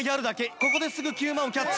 ここですぐ九萬をキャッチ。